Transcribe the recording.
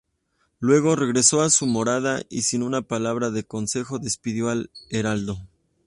Luego, regresó a su morada y sin una palabra de consejo, despidió al heraldo.